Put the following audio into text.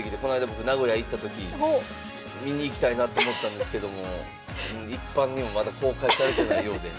僕名古屋行った時見に行きたいなと思ったんですけども一般にはまだ公開されてないようで。